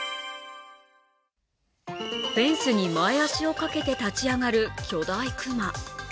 フェンスに前足をかけて立ち上がる巨大熊。